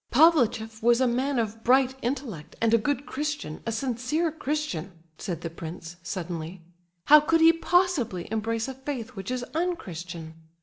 "Pavlicheff was a man of bright intellect and a good Christian, a sincere Christian," said the prince, suddenly. "How could he possibly embrace a faith which is unchristian?